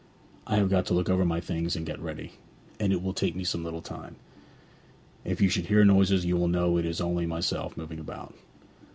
I have got to look over my things and get ready; and it will take me some little time. If you should hear noises you will know it is only myself moving about.'